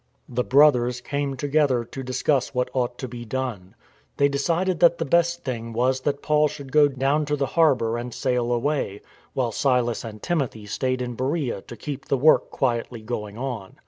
The Brothers came together to discuss what ought to be done. They decided that the best thing was that Paul should go down to the harbour and sail away, while Silas and Timothy stayed in Beroea to keep the work quietly going on.